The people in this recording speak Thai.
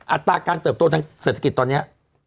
อัตราการเติบโตทางเศรษฐกิจตอนนี้